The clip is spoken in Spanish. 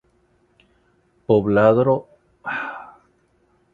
Poblado prerromano y posterior emplazamiento de un campamento romano.